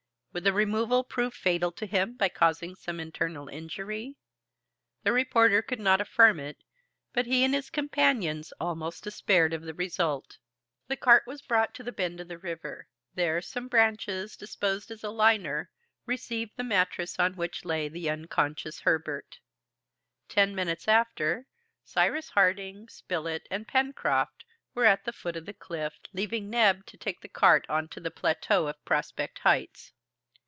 Would the removal prove fatal to him by causing some internal injury? The reporter could not affirm it, but he and his companions almost despaired of the result. The cart was brought to the bend of the river. There some branches, disposed as a liner, received the mattress on which lay the unconscious Herbert. Ten minutes after, Cyrus Harding, Spilett, and Pencroft were at the foot of the cliff, leaving Neb to take the cart on to the plateau of Prospect Heights.